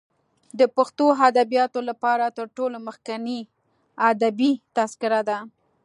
د پښتو ادبیاتو لپاره تر ټولو مخکنۍ ادبي تذکره ده.